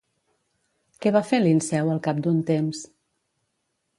Què va fer Linceu al cap d'un temps?